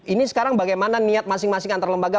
ini sekarang bagaimana niat masing masing antar lembaga